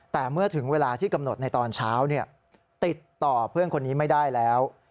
แต่เมื่อถึงเวลาที่กำหนดในตอนเช้าติดต่อเพื่อนคนนี้ไม่ได้แล้ว